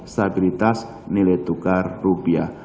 stabilitas nilai tukar rupiah